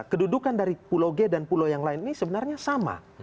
kedudukan dari pulau g dan pulau yang lain ini sebenarnya sama